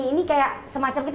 ini kayak semacam kita